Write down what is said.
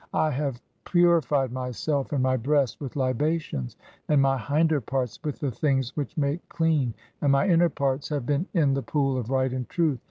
I have pu "rified myself and my breast (18) with libations, and my hinder "parts with the things which make clean, and my inner parts "have been in the Pool of right and truth.